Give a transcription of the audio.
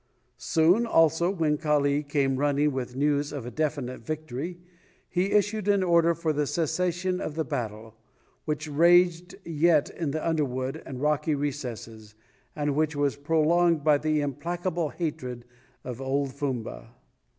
Soon, also, when Kali came running with news of a definite victory, he issued an order for the cessation of the battle, which raged yet in the underwood and rocky recesses and which was prolonged by the implacable hatred of old Fumba.